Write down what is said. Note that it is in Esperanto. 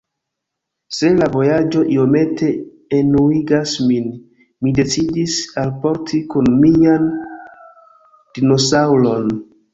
Se la vojaĝo iomete enuigas min, mi decidis alporti kun mian dinosaŭron.